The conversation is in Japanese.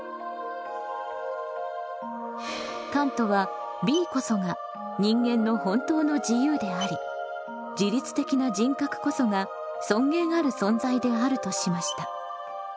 カントはＢこそが人間の本当の自由であり自律的な人格こそが尊厳ある存在であるとしました。